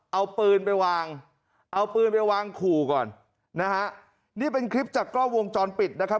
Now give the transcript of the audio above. เอาปืนไปวางเอาปืนไปวางขู่ก่อนนะฮะนี่เป็นคลิปจากกล้องวงจรปิดนะครับ